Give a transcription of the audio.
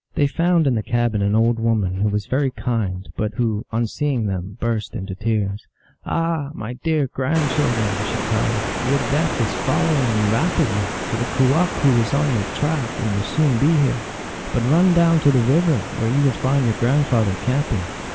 They found in the cabin an old woman, who was very kind, but who, on seeing them, burst into tears. " Ah, my dear grand children," 1 she cried, " your death is following you rapidly, for the kewahqu is on your track, and will soon be here. But run down to the river, where you will find your grandfather camping."